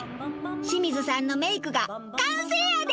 清水さんのメイクが完成やで！